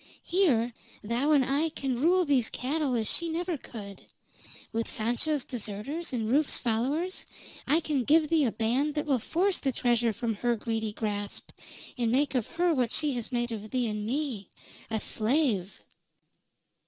Here, thou and I can rule these cattle as she never could. With Sancho's deserters, and Rufe's followers, I can give thee a band that will force the treasure from her greedy grasp, and make of her what she has made of thee and me a slave!"